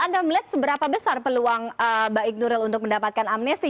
anda melihat seberapa besar peluang baik nuril untuk mendapatkan amnesti